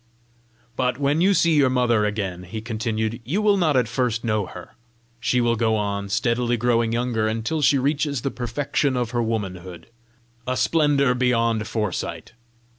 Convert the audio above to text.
"But when you see your mother again," he continued, "you will not at first know her. She will go on steadily growing younger until she reaches the perfection of her womanhood a splendour beyond foresight.